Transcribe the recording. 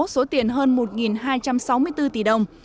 số tiền hơn một hai trăm sáu mươi bốn tỷ đồng